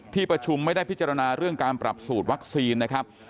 ที่ประชุมไม่ได้พิจารณาเรื่องการปรับสูตรวัคซีนนะครับ